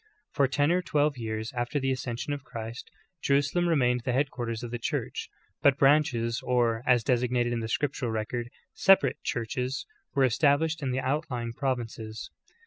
^ For ten or twelve years after the ascension of Christ, Jerusalem re mained the headquarters of the Church, but branches or, as designated in the scriptural record, separate '•churches," were established in the outlying provinces.